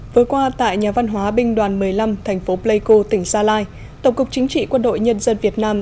với qua tại nhà văn hóa binh đoàn một mươi năm thành phố pleiko tỉnh sa lai tổng cục chính trị quân đội nhân dân việt nam